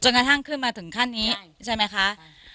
กระทั่งขึ้นมาถึงขั้นนี้ใช่ไหมคะ